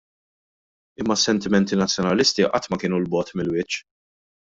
Imma s-sentimenti nazzjonalisti qatt ma kienu 'l bogħod mill-wiċċ.